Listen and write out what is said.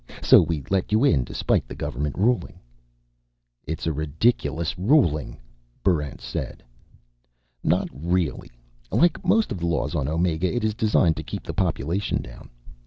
So we let you in despite the government ruling." "It's a ridiculous ruling," Barrent said. "Not really. Like most of the laws of Omega, it is designed to keep the population down.